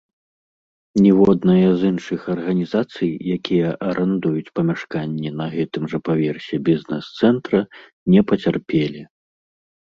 Ніводная з іншых арганізацый, якія арандуюць памяшканні на гэтым жа паверсе бізнэс-цэнтра, не пацярпелі.